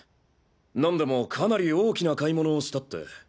なんでもかなり大きな買い物をしたって。